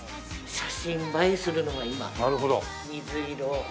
写真映えするのは今水色。